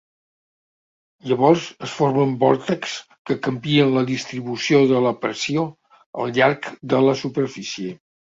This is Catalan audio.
Llavors es formen vòrtexs que canvien la distribució de la pressió al llarg de la superfície.